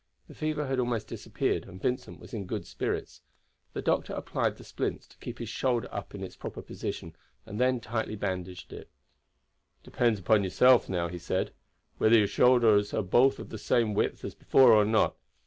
The fever had almost disappeared, and Vincent was in good spirits. The doctor applied the splints to keep the shoulder up in its proper position, and then tightly bandaged it. "It depends upon yourself now," he said, "whether your shoulders are both of the same width as before or not.